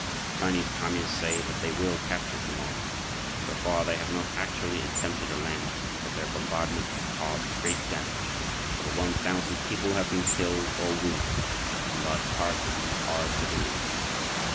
Chinese Communists say that they will capture Quemoy. So far they have not actually attempted a landing, but their bombardment has caused great damage. Over 1,000 people have been killed or wounded. In large part these are civilians.